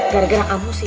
gara gara kamu sih